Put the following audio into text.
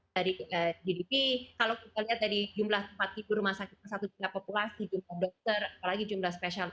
dari gdp kalau kita lihat dari jumlah tempat tidur rumah sakit satu juta populasi jumlah dokter apalagi jumlah spesial